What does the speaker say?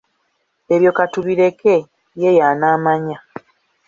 Ebyo katubireke ye y'anaamanya.